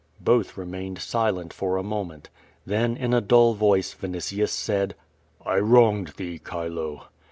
Both remained silent for a moment. Then in a dull voice Yinitius said: "I wronged thee, Chilo!"